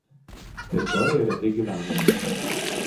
Teritorija retai gyvenama.